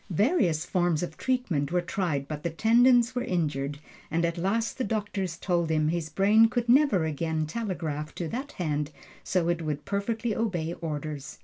Various forms of treatment were tried, but the tendons were injured, and at last the doctors told him his brain could never again telegraph to that hand so it would perfectly obey orders.